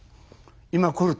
今来ると。